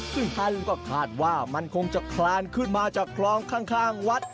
ซึ่งท่านก็คาดว่ามันคงจะคลานขึ้นมาจากคลองข้างวัด